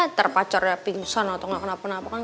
ntar pacar udah pingsan atau gak kenapa napa kan